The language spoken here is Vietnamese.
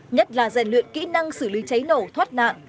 nhất là rèn luyện kỹ năng xử lý cháy nổ thoát nạn